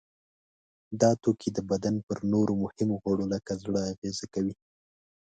دا توکي د بدن پر نورو مهمو غړو لکه زړه اغیزه کوي.